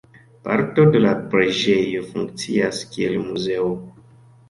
Parto de la preĝejo funkcias kiel muzeo.